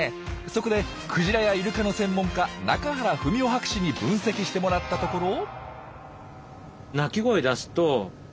そこでクジラやイルカの専門家中原史生博士に分析してもらったところ。